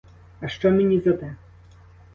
А що мені за те?